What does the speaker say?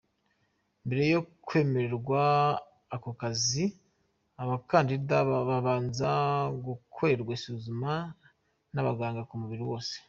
Mbere yo kwemererwa ako kazi, abakandida babanza gukorerwa isuzuma n’abaganga ku mubiri wose.